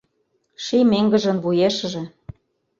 Ший меҥгыжын вуешыже